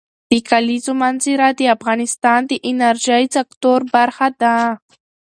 د کلیزو منظره د افغانستان د انرژۍ سکتور برخه ده.